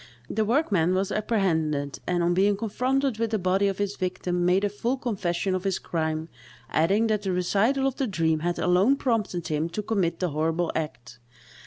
The workman was apprehended, and, on being confronted with the body of his victim, made a full confession of his crime, adding that the recital of the dream had alone prompted him to commit the horrible act.